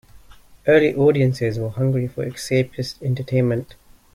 Early audiences were hungry for escapist entertainment.